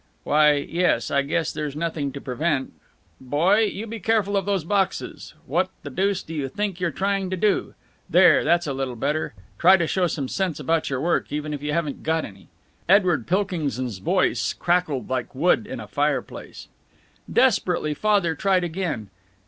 "Why, yes, I guess there's nothing to prevent.... Boy, you be careful of those boxes! What the deuce do you think you're trying to do? There, that's a little better. Try to show some sense about your work, even if you ain't got any." Edward Pilkings's voice crackled like wood in a fireplace. Desperately Father tried again.